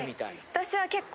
私は結構。